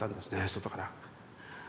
外から。